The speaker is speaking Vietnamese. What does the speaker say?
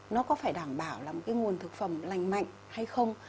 nó có phải đảm bảo là một cái nguồn thực phẩm lành mạnh hay không